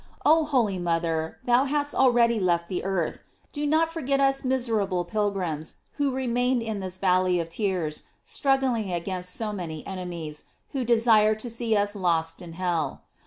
Oh holy mother, thou hast already left the earth; do not forget us, miserable pilgrims, who remain in this valley of tears struggling against so many enemies, who desire to see us lost in hell.